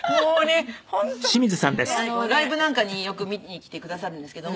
ライブなんかによく見に来てくださるんですけど。